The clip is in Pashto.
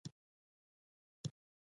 عدالت د یوې سالمې ټولنې بنسټ دی.